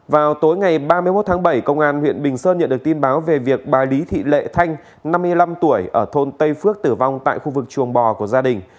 vào tối ngày ba mươi một tháng bảy công an huyện bình sơn nhận được tin báo về việc bà lý thị lệ thanh năm mươi năm tuổi ở thôn tây phước tử vong tại khu vực chuồng bò của gia đình